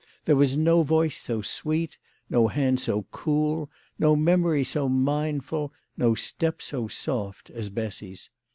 There was no voice so sweet, no hand so cool, no memory so mindful, no step so soft as Bessy's.